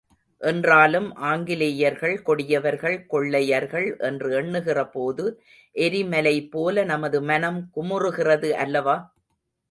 என்றாலும், ஆங்கிலேயர்கள் கொடியவர்கள் கொள்ளையர்கள் என்று எண்ணுகிற போது, எரிமலை போல நமது மனம் குமுறுகிறது அல்லவா?